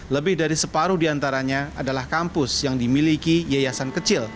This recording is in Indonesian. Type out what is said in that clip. lebih dari separuh diantaranya adalah kampus yang dimiliki yayasan kecil